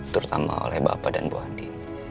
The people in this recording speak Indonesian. terutama oleh bapak dan bu adi